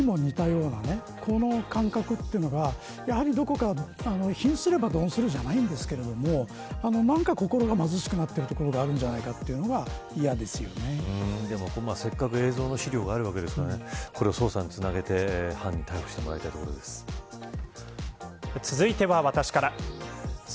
でも一方で開き直りにも似たようなこの感覚というのがやはりどこが貧すれば鈍するじゃないんですけど何か心が貧しくなっているところがあるんじゃないかというのはでもせっかく映像の資料があるわけですからこれを捜査につなげて犯人を続いては私から。